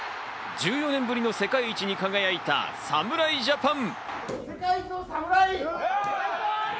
１４年ぶりの世界一に輝いた侍ジャパン。